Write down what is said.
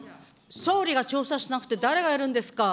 総理が調査しなくて誰がやるんですか。